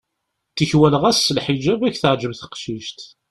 Tikwal ɣas s lḥiǧab ad k-teɛǧeb teqcict.